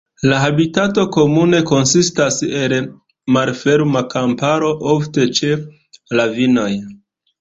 La habitato komune konsistas el malferma kamparo, ofte ĉe ravinoj.